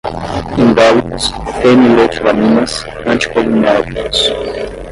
indólicos, feniletilaminas, anticolinérgicos